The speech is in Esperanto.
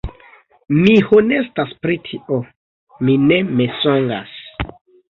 Mi honestas pri tio; mi ne mensogas